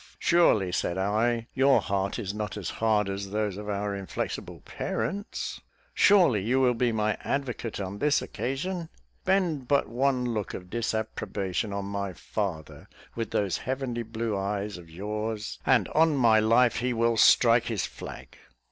"Surely," said I, "your heart is not as hard as those of our inflexible parents? surely you will be my advocate on this occasion? Bend but one look of disapprobation on my father with those heavenly blue eyes of yours, and, on my life, he will strike his flag."